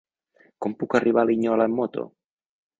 Com puc arribar a Linyola amb moto?